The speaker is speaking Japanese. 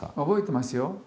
覚えてますよ。